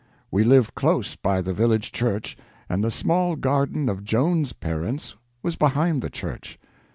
We lived close by the village church, and the small garden of Joan's parents was behind the church.